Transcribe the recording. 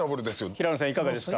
平野さんいかがですか？